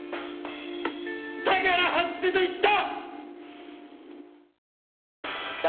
だから外せと言った！！